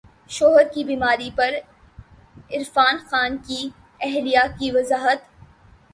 شوہر کی بیماری پر عرفان خان کی اہلیہ کی وضاحت